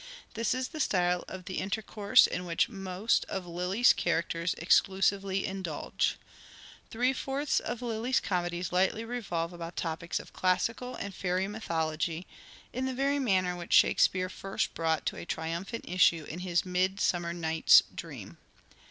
This is the style of the intercourse in which most of Lyly's characters exclusively indulge. Three fourths of Lyly's comedies lightly revolve about topics of classical and fairy mythology — in the very manner which Shakespeare first brought to a triumphant issue in his ' Midsummer Night's Dream.'